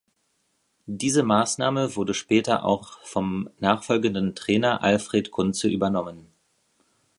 Diese Maßnahme wurde später auch vom nachfolgenden Trainer Alfred Kunze übernommen.